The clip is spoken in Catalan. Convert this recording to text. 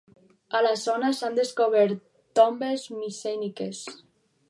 A la zona s'han descobert tombes micèniques.